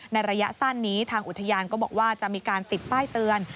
ระยะสั้นนี้ทางอุทยานก็บอกว่าจะมีการติดป้ายเตือน